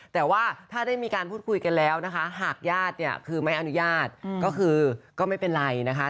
แต่ว่าถ้าได้มีการพูดคุยกันแล้วนะคะหากญาติเนี่ยคือไม่อนุญาตก็คือก็ไม่เป็นไรนะคะ